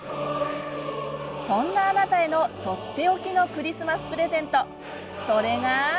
そんなあなたへの、とっておきのクリスマスプレゼントそれが。